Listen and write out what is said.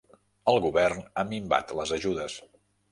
El Govern ha minvat les ajudes.